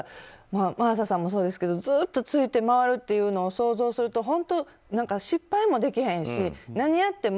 真麻さんもそうですけどずっとついて回るというのを想像すると本当失敗もできへんし何やっても。